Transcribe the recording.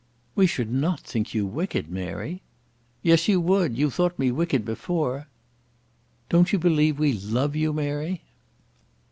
"We should not think you wicked, Mary." "Yes, you would. You thought me wicked before." "Don't you believe we love you, Mary?"